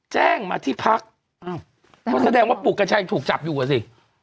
แจ้งมาที่พรรคเพราะแสดงว่าปลูกกัญชาจังถูกจับอยู่อ่ะสิ